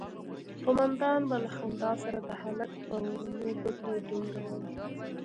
قومندان به له خندا سره د هلک پر ورنونو گوتې ټينگولې.